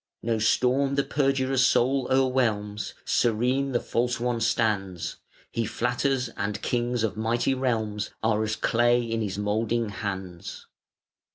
No storm the perjurer's soul o'erwhelms, Serene the false one stands: He flatters, and Kings of mighty realms Are as clay in his moulding hands.